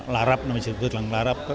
larap namanya seperti itu larap